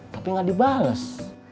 tapi gak dibales